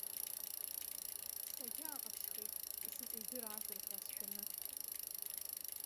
Сагьааҟаԥшьхеит, исыҵидыраазар ҳәа сшәаны.